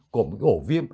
của một ổ viêm